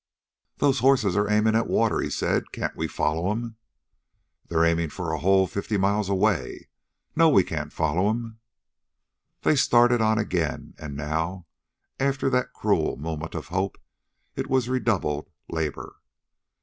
"Those horses are aiming at water," he said. "Can't we follow 'em?" "They're aiming for a hole fifty miles away. No, we can't follow 'em!" They started on again, and now, after that cruel moment of hope, it was redoubled labor.